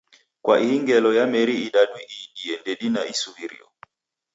Kwa ihi ngelo ya meri idadu iidie ndedine isuw'irio.